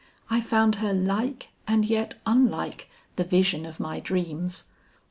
I found her like and yet unlike the vision of my dreams.